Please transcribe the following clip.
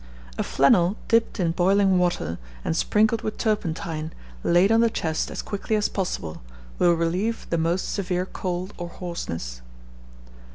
A flannel dipped in boiling water, and sprinkled with turpentine, laid on the chest as quickly as possible, will relieve the most severe cold or hoarseness.